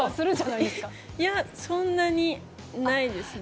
いや、そんなにないですね。